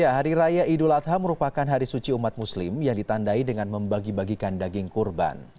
hari raya idul adha merupakan hari suci umat muslim yang ditandai dengan membagi bagikan daging kurban